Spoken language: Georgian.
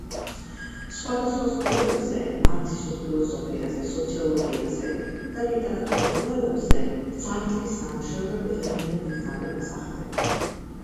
სხვადასხვა სფეროებზე: მარქსისტულ ფილოსოფიაზე, სოციოლოგიაზე და ლიტერატურულ კვლევებზე, სარტრის ნამუშევრები დღემდე დიდ გავლენას ახდენენ.